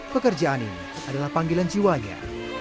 pekerjaan ini adalah panggilan jiwanya